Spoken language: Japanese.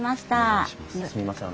すみません